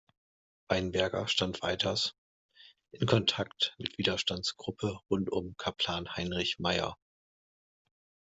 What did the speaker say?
Weinberger stand weiters in Kontakt mit Widerstandsgruppe rund um Kaplan Heinrich Maier.